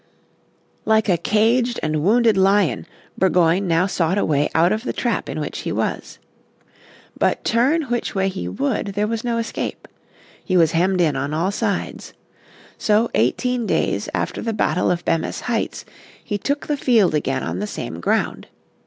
Like a caged and wounded lion Burgoyne now sought a way out of the trap in which he was. But turn which way he would there was no escape. He was hemmed in on all sides. So eighteen days after the battle of Bemis Heights he took the field again on the same ground.